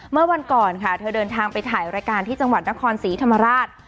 เมื่อวันก่อนค่ะเธอเดินทางไปถ่ายรายการที่จังหวัดนครศรีธรรมราช